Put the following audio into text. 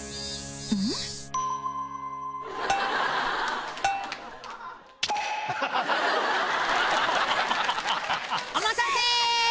うん？お待たせ！